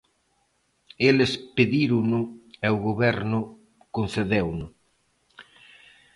Eles pedírono e o goberno concedeuno.